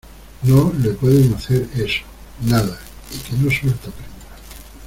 no le pueden hacer eso. nada, y que no suelta prenda .